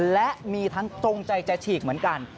และมีทั้งตรงใจจะฉีกเหมือนกัน